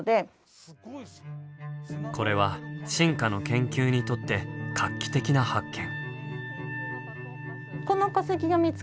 これは進化の研究にとって画期的な発見。